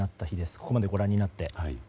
ここまで、ご覧になって。